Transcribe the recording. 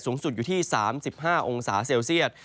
สูงสุดอยู่ที่๓๕องศาเซลเซียต